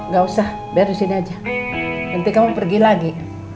ya kalau dengan urut urut ini nanti di rumah koh gave rupanya